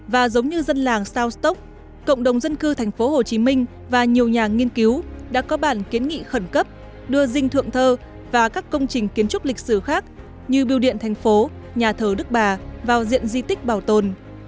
và giống như dân làng south stoke cộng đồng dân cư thành phố hồ chí minh và nhiều nhà nghiên cứu đã có bản kiến nghị khẩn cấp đưa dinh thượng thơ và các công trình kiến trúc lịch sử khác như biêu điện thành phố nhà thờ đức bà vào diện di tích bảo tồn